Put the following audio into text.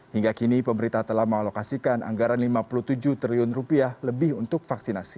hingga kini pemerintah telah mengalokasikan anggaran lima puluh tujuh triliun rupiah lebih untuk vaksinasi